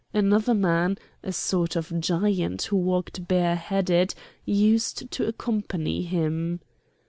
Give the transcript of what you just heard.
Another man, a sort of giant who walked bareheaded, used to accompany him.